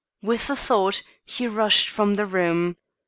With the thought, he rushed from the room.